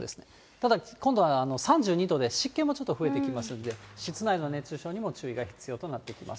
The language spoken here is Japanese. ただ、今度は３２度で、湿気もちょっと増えてきますので、室内の熱中症にも注意が必要となってきます。